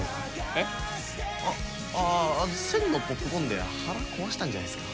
えっ？ああセンのポップコーンで腹壊したんじゃないっすか？